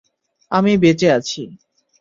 আমি বেঁচে আছি।